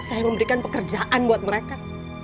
saya memberikan pekerjaan buat mereka